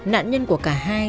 nạn nhân của cả hai